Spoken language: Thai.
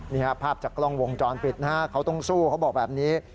นี่ครับภาพจากกล้องวงจรปิดนะฮะเขาต้องสู้เขาบอกแบบนี้